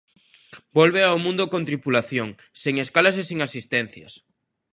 Volve ao Mundo con tripulación, sen escalas e sen asistencias.